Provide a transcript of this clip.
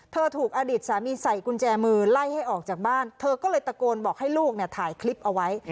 ถูกอดีตสามีใส่กุญแจมือไล่ให้ออกจากบ้านเธอก็เลยตะโกนบอกให้ลูกเนี่ยถ่ายคลิปเอาไว้